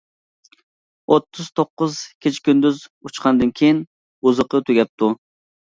ئوتتۇز توققۇز كېچە-كۈندۈز ئۇچقاندىن كېيىن، ئوزۇقى تۈگەپتۇ.